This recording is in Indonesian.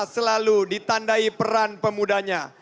selalu ditandai peran pemudanya